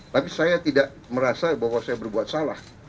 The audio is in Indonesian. tapi saya tidak merasa bahwa saya berbuat salah